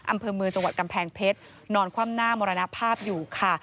อำเภอเมืองจังหวัดกำแพงเพชรนอนคว่ำหน้ามรณภาพอยู่ค่ะ